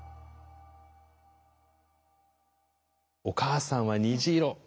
「お母さんは虹色」